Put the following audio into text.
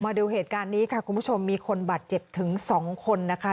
มาดูเหตุการณ์นี้ค่ะคุณผู้ชมมีคนบาดเจ็บถึง๒คนนะคะ